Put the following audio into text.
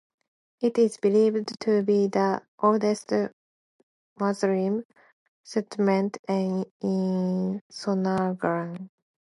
It is believed to be the oldest Muslim settlement in Sonargaon.